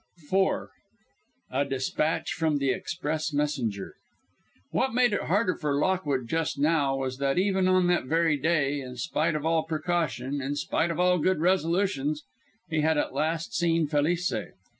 IV. A DESPATCH FROM THE EXPRESS MESSENGER What made it harder for Lockwood just now was that even on that very day, in spite of all precaution, in spite of all good resolutions, he had at last seen Felice.